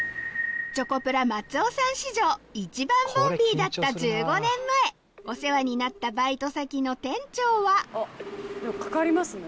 チョコプラ・松尾さん史上一番ボンビーだった１５年前お世話になったバイト先の店長はでもかかりますね。